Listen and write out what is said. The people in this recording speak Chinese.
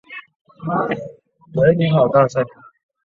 全员战死。